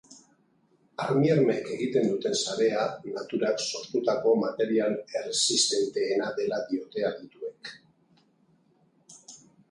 Armiarmek egiten duten sarea naturak sortutako material erresistenteena dela diote adituek.